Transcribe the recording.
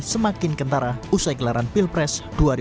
semakin kentara usai gelaran pilpres dua ribu dua puluh empat